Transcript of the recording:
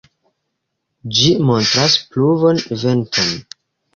Ĝi montras pluvon venton.